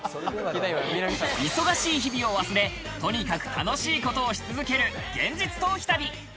忙しい日々を忘れ、とにかく楽しいことをし続ける現実逃避旅。